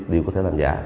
đều có thể làm giả